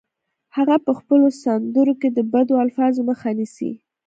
هغه په خپلو سندرو کې د بدو الفاظو مخه نیسي